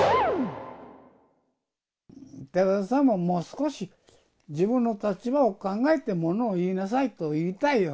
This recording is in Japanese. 寺田さんももう少し自分の立場を考えてものを言いなさいと言いたいよ。